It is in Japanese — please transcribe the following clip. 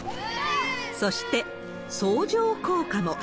そして、相乗効果も。